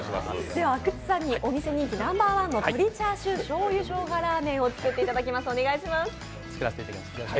では、阿久津さんにお店人気ナンバーワンの鶏チャーシュー醤油生姜らーめんを作っていただきます。